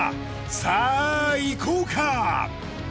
さあ行こうか！